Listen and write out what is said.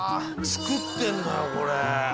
つくってんだよこれ。